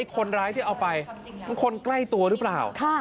คนร้ายที่เอาไปคนใกล้ตัวหรือเปล่า